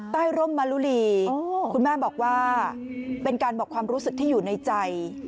ร่มมะลุลีคุณแม่บอกว่าเป็นการบอกความรู้สึกที่อยู่ในใจ